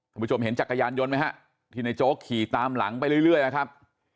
ผู้ชมเห็นจักรยานยนต์ไหมฮะที่ในโจ๊กขี่ตามหลังไปเรื่อยนะครับ